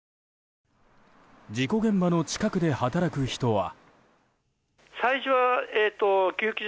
事故現場の近くで働く人は。